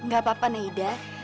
gak apa apa neda